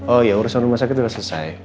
oh iya urusan rumah sakit udah selesai